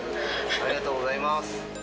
ありがとうございます。